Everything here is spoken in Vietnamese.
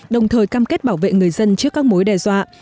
đồng thời cam kết bảo vệ người dân trước các mối đe dọa